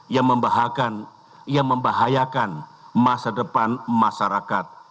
yang membahayakan masa depan masyarakat